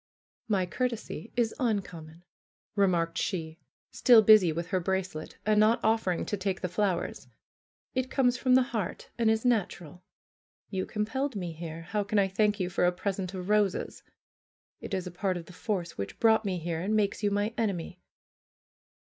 "My courtesy is uncommon," remarked she, still busy with her bracelet, and not offering to take the flowers, "it comes from the heart and is natural. You compelled me here ; how can I thank you for a present of roses? It is a part of the force which brought me here, and makes you my enemy."